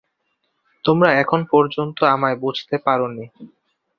তোমরা এখন পর্যন্ত আমায় বুঝতে পারনি।